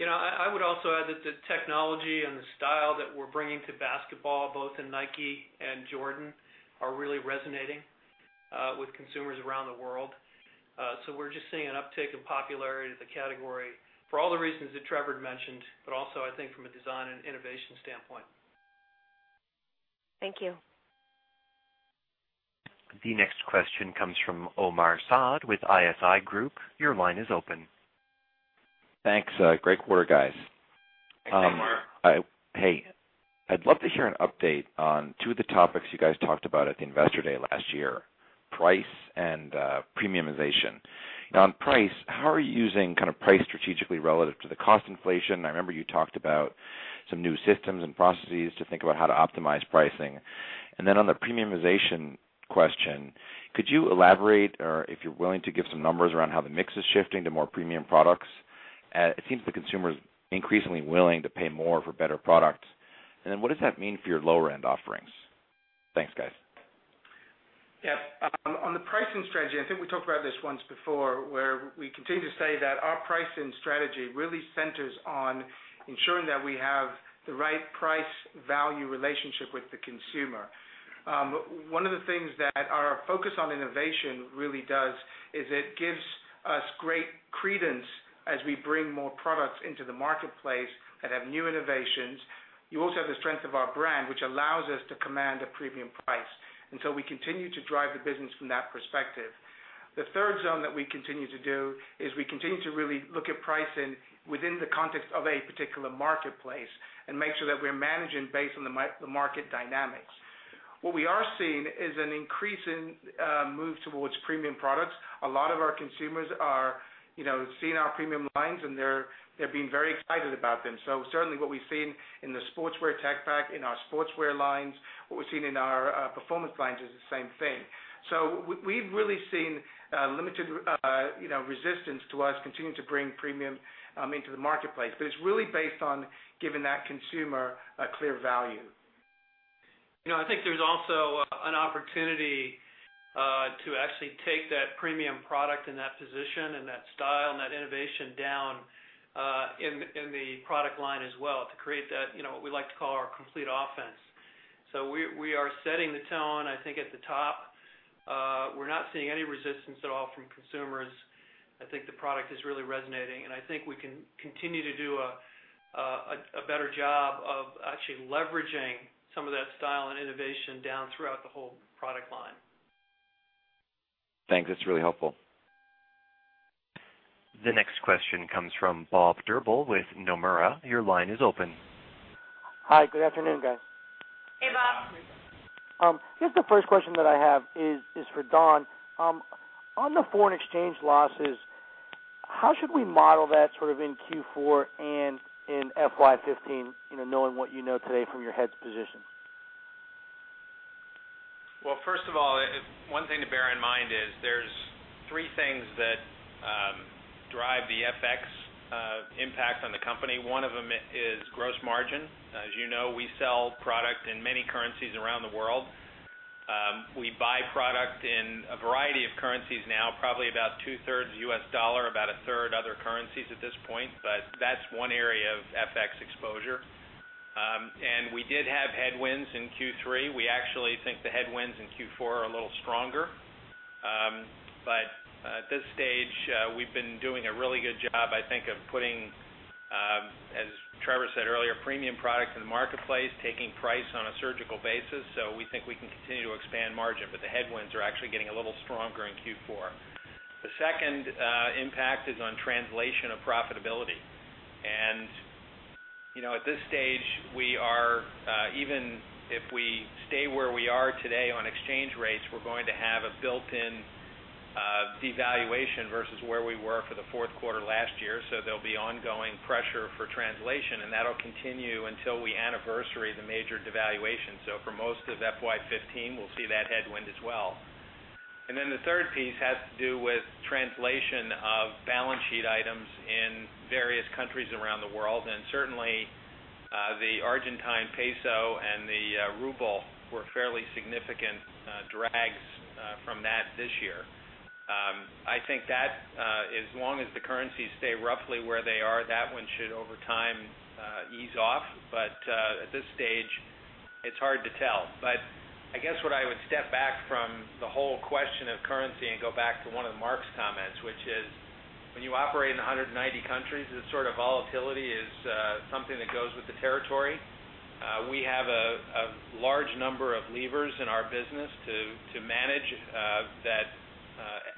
I would also add that the technology and the style that we're bringing to basketball, both in Nike and Jordan, are really resonating with consumers around the world. We're just seeing an uptick in popularity of the category for all the reasons that Trevor had mentioned, but also, I think, from a design and innovation standpoint. Thank you. The next question comes from Omar Saad with ISI Group. Your line is open. Thanks. Great quarter, guys. Thanks, Omar. Hey. I'd love to hear an update on two of the topics you guys talked about at the Investor Day last year, price and premiumization. On price, how are you using price strategically relative to the cost inflation? I remember you talked about some new systems and processes to think about how to optimize pricing. On the premiumization question, could you elaborate or if you're willing to give some numbers around how the mix is shifting to more premium products? It seems the consumer's increasingly willing to pay more for better products. What does that mean for your lower-end offerings? Thanks, guys. Yeah. On the pricing strategy, I think we talked about this once before, where we continue to say that our pricing strategy really centers on ensuring that we have the right price-value relationship with the consumer. One of the things that our focus on innovation really does is it gives us great credence as we bring more products into the marketplace that have new innovations. You also have the strength of our brand, which allows us to command a premium price. So we continue to drive the business from that perspective. The third zone that we continue to do is we continue to really look at pricing within the context of a particular marketplace and make sure that we're managing based on the market dynamics. What we are seeing is an increase in move towards premium products. A lot of our consumers are seeing our premium lines, and they're being very excited about them. Certainly what we've seen in the Sportswear Tech Pack, in our sportswear lines, what we've seen in our performance lines is the same thing. We've really seen limited resistance to us continuing to bring premium into the marketplace. It's really based on giving that consumer a clear value. I think there's also an opportunity to actually take that premium product and that position and that style and that innovation down in the product line as well to create what we like to call our complete offense. We are setting the tone, I think, at the top. We're not seeing any resistance at all from consumers. I think the product is really resonating, and I think we can continue to do a better job of actually leveraging some of that style and innovation down throughout the whole product line. Thanks. That's really helpful. The next question comes from Bob Drbul with Nomura. Your line is open. Hi, good afternoon, guys. Hey, Bob. I guess the first question that I have is for Don. On the foreign exchange losses, how should we model that sort of in Q4 and in FY 2015, knowing what you know today from your hedged position? First of all, one thing to bear in mind is there's three things that drive the FX impact on the company. One of them is gross margin. As you know, we sell product in many currencies around the world. We buy product in a variety of currencies now, probably about two-thirds U.S. dollar, about a third other currencies at this point. That's one area of FX exposure. We did have headwinds in Q3. We actually think the headwinds in Q4 are a little stronger. At this stage, we've been doing a really good job, I think, of putting, as Trevor said earlier, premium product in the marketplace, taking price on a surgical basis. We think we can continue to expand margin, but the headwinds are actually getting a little stronger in Q4. The second impact is on translation of profitability. At this stage, even if we stay where we are today on exchange rates, we're going to have a built-in devaluation versus where we were for the fourth quarter last year. There'll be ongoing pressure for translation, and that'll continue until we anniversary the major devaluation. For most of FY 2015, we'll see that headwind as well. Then the third piece has to do with translation of balance sheet items in various countries around the world. Certainly, the Argentine peso and the ruble were fairly significant drags from that this year. I think that as long as the currencies stay roughly where they are, that one should over time ease off. At this stage, it's hard to tell. I guess what I would step back from the whole question of currency and go back to one of Mark's comments, which is when you operate in 190 countries, this sort of volatility is something that goes with the territory. We have a large number of levers in our business to manage that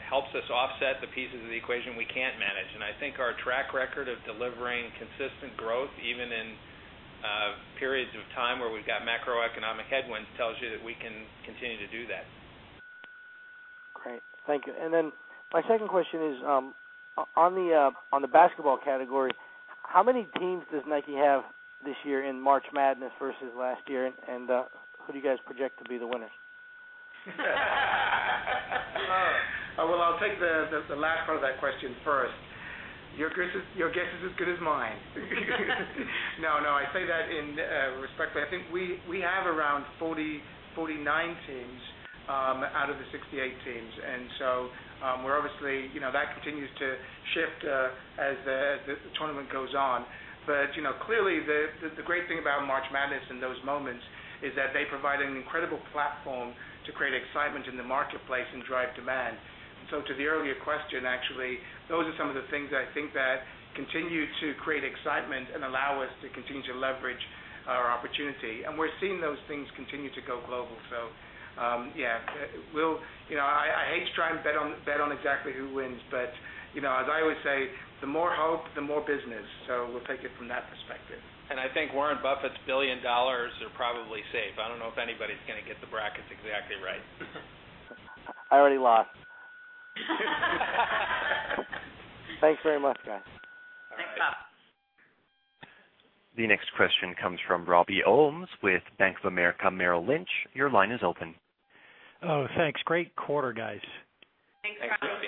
helps us offset the pieces of the equation we can't manage. I think our track record of delivering consistent growth, even in periods of time where we've got macroeconomic headwinds, tells you that we can continue to do that. Great. Thank you. Then my second question is on the basketball category, how many teams does Nike have this year in March Madness versus last year, and who do you guys project to be the winners? Well, I'll take the last part of that question first. Your guess is as good as mine. No, I say that respectfully. I think we have around 49 teams out of the 68 teams. So, that continues to shift as the tournament goes on. Clearly, the great thing about March Madness and those moments is that they provide an incredible platform to create excitement in the marketplace and drive demand. So to the earlier question, actually, those are some of the things that I think that continue to create excitement and allow us to continue to leverage our opportunity. We're seeing those things continue to go global. Yeah. I hate to try and bet on exactly who wins, but as I always say, the more hope, the more business. We'll take it from that perspective. I think Warren Buffett's $1 billion are probably safe. I don't know if anybody's going to get the brackets exactly right. I already lost. Thanks very much, guys. All right. The next question comes from Robert Ohmes with Bank of America Merrill Lynch. Your line is open. Oh, thanks. Great quarter, guys. Thanks, Robbie.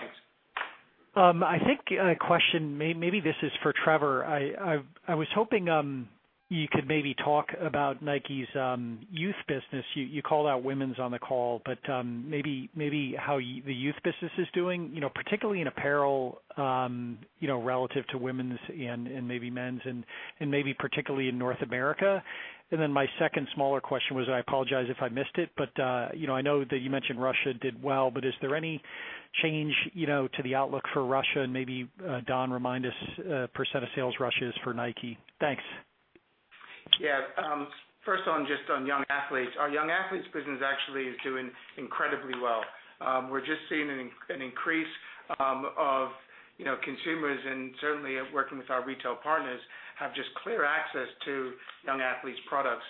Thanks. I think a question, maybe this is for Trevor. I was hoping you could maybe talk about Nike's youth business. You called out women's on the call, but maybe how the youth business is doing, particularly in apparel, relative to women's and maybe men's and maybe particularly in North America. My second smaller question was, I apologize if I missed it, but I know that you mentioned Russia did well, but is there any change to the outlook for Russia? Don remind us % of sales Russia is for Nike. Thanks. Yeah. First on, just on Young Athletes. Our Young Athletes business actually is doing incredibly well. We're just seeing an increase of consumers and certainly working with our retail partners have just clear access to Young Athletes products.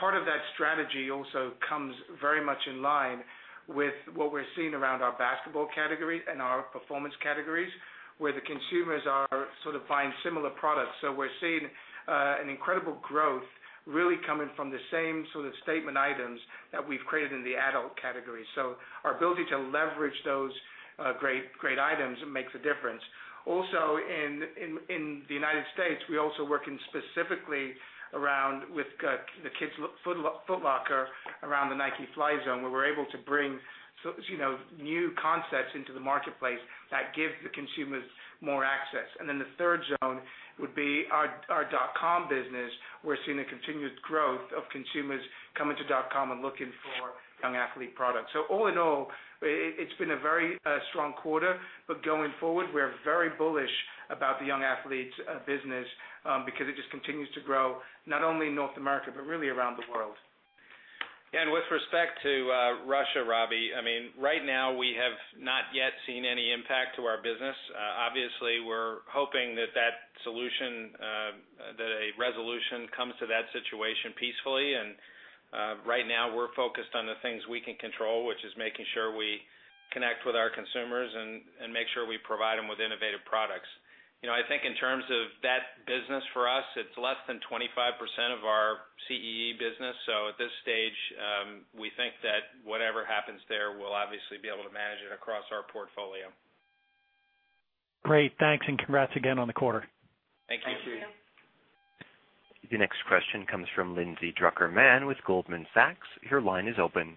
Part of that strategy also comes very much in line with what we're seeing around our basketball category and our performance categories, where the consumers are sort of buying similar products. We're seeing an incredible growth really coming from the same sort of statement items that we've created in the adult category. Our ability to leverage those great items makes a difference. In the United States, we're also working specifically around with the Kids Foot Locker around the Nike Fly Zone, where we're able to bring new concepts into the marketplace that give the consumers more access. The third zone would be our dotcom business. We're seeing a continued growth of consumers coming to dotcom and looking for Young Athlete products. All in all, it's been a very strong quarter. Going forward, we're very bullish about the Young Athlete business because it just continues to grow, not only in North America, but really around the world. With respect to Russia, Robbie Ohmes, right now we have not yet seen any impact to our business. Obviously, we're hoping that a resolution comes to that situation peacefully. Right now we're focused on the things we can control, which is making sure we connect with our consumers and make sure we provide them with innovative products. I think in terms of that business for us, it's less than 25% of our CEE business. At this stage, we think that whatever happens there, we'll obviously be able to manage it across our portfolio. Great. Thanks, and congrats again on the quarter. Thank you. Thank you. The next question comes from Lindsay Drucker Mann with Goldman Sachs. Your line is open.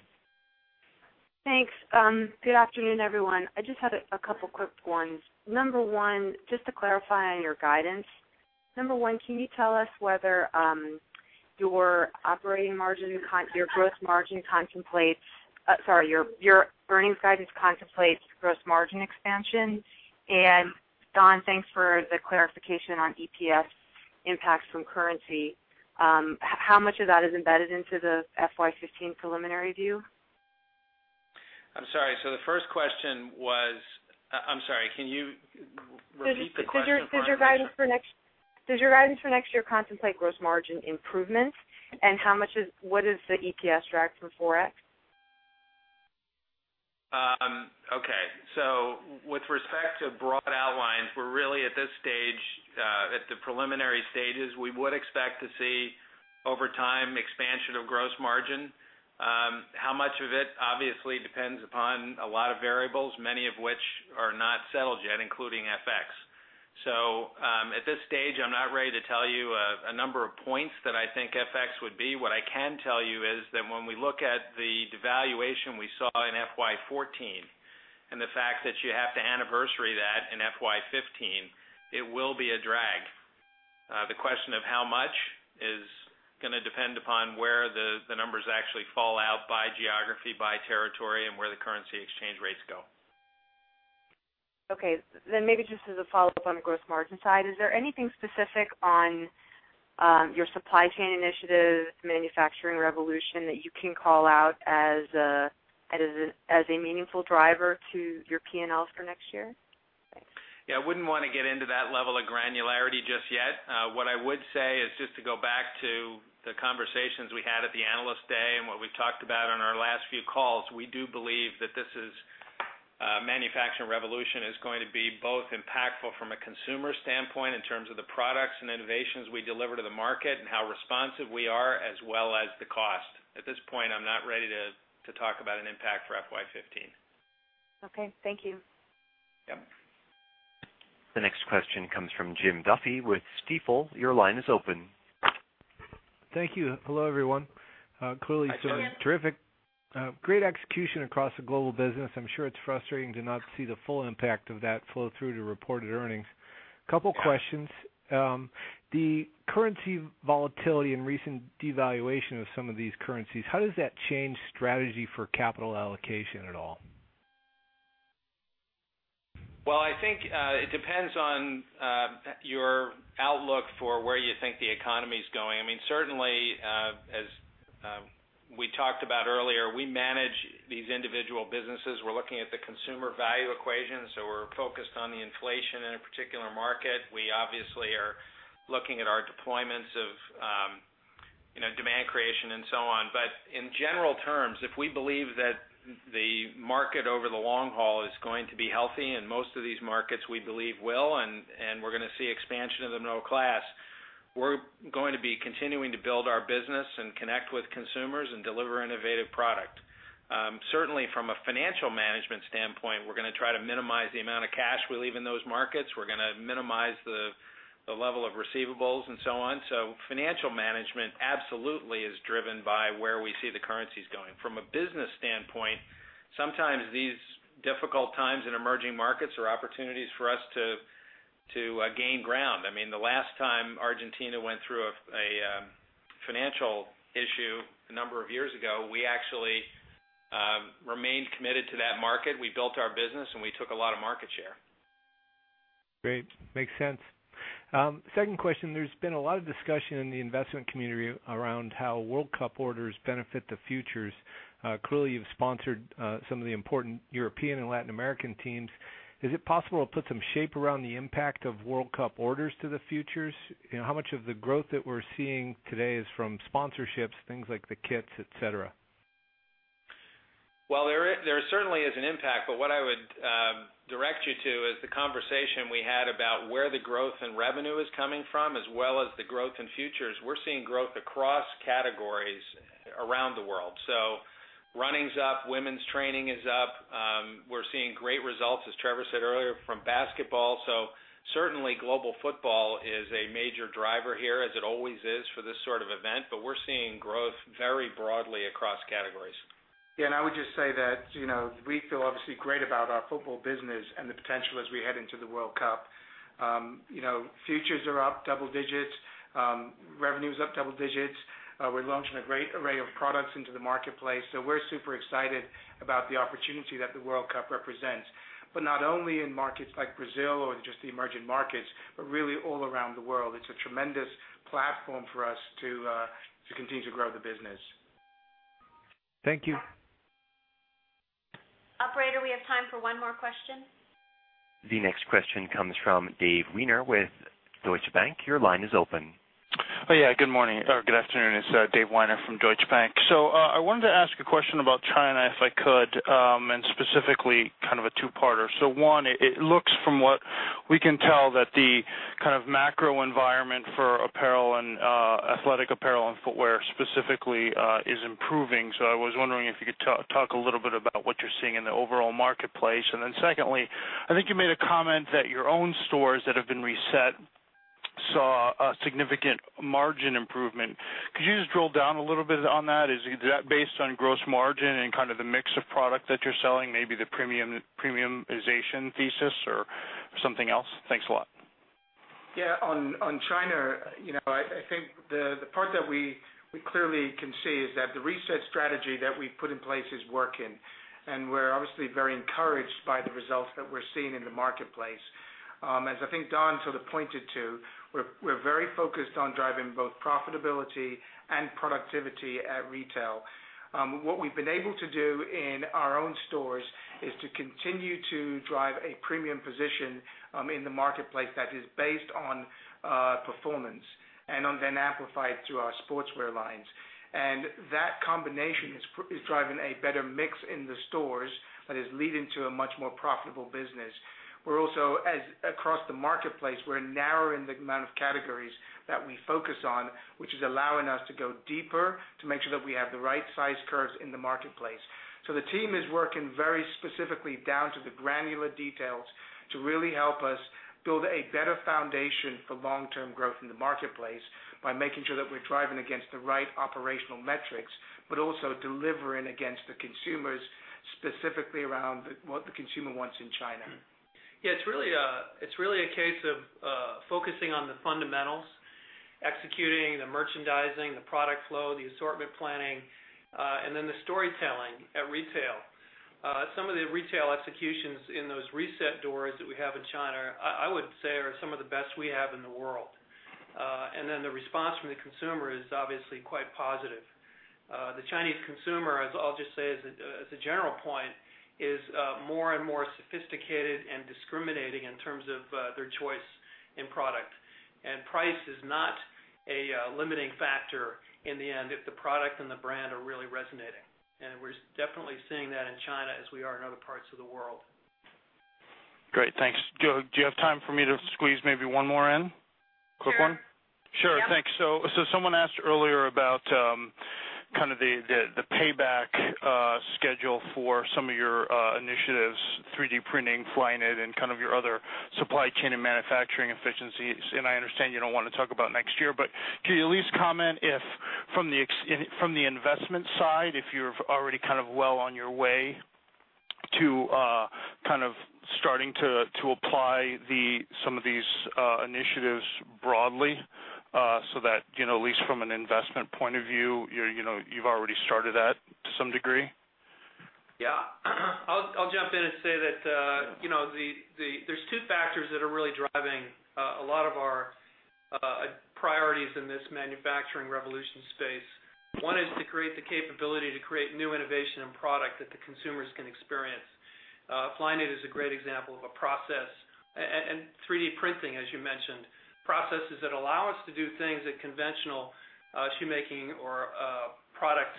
Thanks. Good afternoon, everyone. I just had a couple quick ones. Number one, just to clarify on your guidance. Number one, can you tell us whether your earnings guidance contemplates gross margin expansion? Don, thanks for the clarification on EPS impacts from currency. How much of that is embedded into the FY 2015 preliminary view? I'm sorry, can you repeat the question for me? Sure. Does your guidance for next year contemplate gross margin improvements? What is the EPS drag for ForEx? Okay. With respect to broad outlines, we're really at the preliminary stages. We would expect to see, over time, expansion of gross margin. How much of it obviously depends upon a lot of variables, many of which are not settled yet, including FX. At this stage, I'm not ready to tell you a number of points that I think FX would be. What I can tell you is that when we look at the devaluation we saw in FY 2014, and the fact that you have to anniversary that in FY 2015, it will be a drag. The question of how much is going to depend upon where the numbers actually fall out by geography, by territory, and where the currency exchange rates go. Okay. Maybe just as a follow-up on the gross margin side, is there anything specific on your supply chain initiative, Manufacturing Revolution, that you can call out as a meaningful driver to your P&L for next year? Thanks. Yeah, I wouldn't want to get into that level of granularity just yet. What I would say is, just to go back to the conversations we had at the Analyst Day and what we've talked about on our last few calls, we do believe that this Manufacturing Revolution is going to be both impactful from a consumer standpoint in terms of the products and innovations we deliver to the market and how responsive we are, as well as the cost. At this point, I'm not ready to talk about an impact for FY 2015. Okay. Thank you. Yep. The next question comes from Jim Duffy with Stifel. Your line is open. Thank you. Hello, everyone. Hi, Jim. Clearly some terrific, great execution across the global business. I'm sure it's frustrating to not see the full impact of that flow through to reported earnings. Couple questions. The currency volatility and recent devaluation of some of these currencies, how does that change strategy for capital allocation at all? I think it depends on your outlook for where you think the economy's going. Certainly, as we talked about earlier, we manage these individual businesses. We're looking at the consumer value equation. We're focused on the inflation in a particular market. We obviously are looking at our deployments of demand creation and so on. In general terms, if we believe that the market over the long haul is going to be healthy, and most of these markets we believe will, and we're going to see expansion of the middle class, we're going to be continuing to build our business and connect with consumers and deliver innovative product. Certainly, from a financial management standpoint, we're going to try to minimize the amount of cash we leave in those markets. We're going to minimize the level of receivables and so on. Financial management absolutely is driven by where we see the currencies going. From a business standpoint, sometimes these difficult times in emerging markets are opportunities for us to gain ground. The last time Argentina went through a financial issue a number of years ago, we actually remained committed to that market. We built our business, and we took a lot of market share. Great. Makes sense. Second question. There's been a lot of discussion in the investment community around how World Cup orders benefit the futures. Clearly, you've sponsored some of the important European and Latin American teams. Is it possible to put some shape around the impact of World Cup orders to the futures? How much of the growth that we're seeing today is from sponsorships, things like the kits, et cetera? There certainly is an impact, what I would direct you to is the conversation we had about where the growth in revenue is coming from, as well as the growth in futures. We're seeing growth across categories around the world. Running's up, women's training is up. We're seeing great results, as Trevor said earlier, from basketball. Certainly, global football is a major driver here, as it always is for this sort of event. We're seeing growth very broadly across categories. Yeah, I would just say that we feel obviously great about our football business and the potential as we head into the World Cup. Futures are up double digits. Revenue's up double digits. We're launching a great array of products into the marketplace. We're super excited about the opportunity that the World Cup represents. Not only in markets like Brazil or just the emerging markets, but really all around the world. It's a tremendous platform for us to continue to grow the business. Thank you. Operator, we have time for one more question. The next question comes from David Weiner with Deutsche Bank. Your line is open. Good morning or good afternoon. It's David Weiner from Deutsche Bank. I wanted to ask a question about China, if I could, and specifically kind of a two-parter. One, it looks from what we can tell, that the kind of macro environment for apparel and athletic apparel and footwear specifically, is improving. I was wondering if you could talk a little bit about what you're seeing in the overall marketplace. Secondly, I think you made a comment that your own stores that have been reset saw a significant margin improvement. Could you just drill down a little bit on that? Is that based on gross margin and kind of the mix of product that you're selling, maybe the premiumization thesis or something else? Thanks a lot. Yeah. On China, I think the part that we clearly can see is that the reset strategy that we've put in place is working, and we're obviously very encouraged by the results that we're seeing in the marketplace. As I think Don sort of pointed to, we're very focused on driving both profitability and productivity at retail. What we've been able to do in our own stores is to continue to drive a premium position in the marketplace that is based on performance and then amplified through our sportswear lines. That combination is driving a better mix in the stores that is leading to a much more profitable business. We're also, across the marketplace, we're narrowing the amount of categories that we focus on, which is allowing us to go deeper to make sure that we have the right size curves in the marketplace. The team is working very specifically down to the granular details to really help us build a better foundation for long-term growth in the marketplace by making sure that we're driving against the right operational metrics, but also delivering against the consumers, specifically around what the consumer wants in China. Yeah, it's really a case of focusing on the fundamentals, executing the merchandising, the product flow, the assortment planning, and then the storytelling at retail. Some of the retail executions in those reset doors that we have in China, I would say, are some of the best we have in the world. The response from the consumer is obviously quite positive. The Chinese consumer, as I'll just say as a general point, is more and more sophisticated and discriminating in terms of their choice in product. Price is not a limiting factor in the end if the product and the brand are really resonating. We're definitely seeing that in China, as we are in other parts of the world. Great. Thanks. Do you have time for me to squeeze maybe one more in? Sure. A quick one? Yeah. Sure, thanks. Someone asked earlier about kind of the payback schedule for some of your initiatives, 3D printing, Flyknit, and kind of your other supply chain and manufacturing efficiencies. I understand you don't want to talk about next year, but can you at least comment if from the investment side, if you're already kind of well on your way to kind of starting to apply some of these initiatives broadly so that at least from an investment point of view, you've already started that to some degree? Yeah. I'll jump in and say that there's two factors that are really driving a lot of our priorities in this manufacturing revolution space. One is to create the capability to create new innovation and product that the consumers can experience. Flyknit is a great example of a process, and 3D printing, as you mentioned. Processes that allow us to do things that conventional shoemaking or product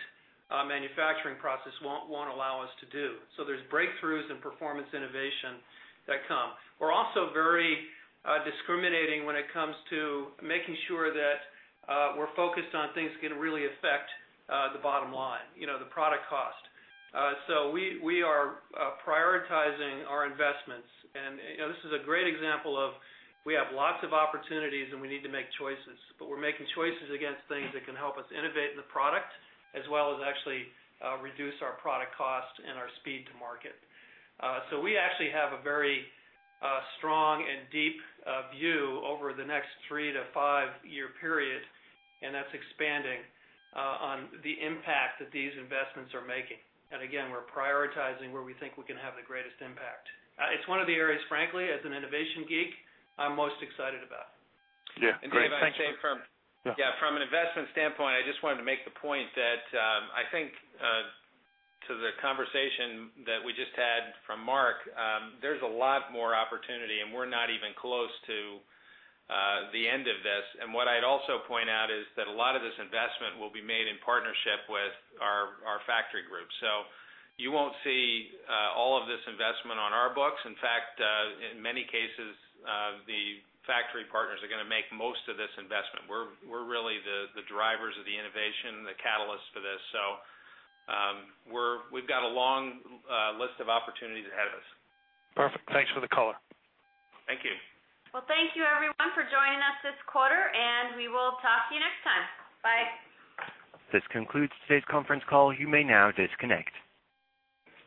manufacturing process won't allow us to do. There's breakthroughs in performance innovation that come. We're also very discriminating when it comes to making sure that we're focused on things that can really affect the bottom line, the product cost. We are prioritizing our investments, and this is a great example of we have lots of opportunities, and we need to make choices. We're making choices against things that can help us innovate in the product as well as actually reduce our product cost and our speed to market. We actually have a very strong and deep view over the next three to five-year period, and that's expanding on the impact that these investments are making. Again, we're prioritizing where we think we can have the greatest impact. It's one of the areas, frankly, as an innovation geek, I'm most excited about. Yeah. Great. Thank you. Dave, I'd say from an investment standpoint, I just wanted to make the point that I think, to the conversation that we just had from Mark, there's a lot more opportunity, and we're not even close to the end of this. What I'd also point out is that a lot of this investment will be made in partnership with our factory groups. You won't see all of this investment on our books. In fact, in many cases, the factory partners are going to make most of this investment. We're really the drivers of the innovation, the catalyst for this. We've got a long list of opportunities ahead of us. Perfect. Thanks for the color. Thank you. Well, thank you everyone for joining us this quarter, and we will talk to you next time. Bye. This concludes today's conference call. You may now disconnect.